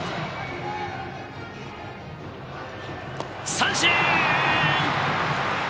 三振！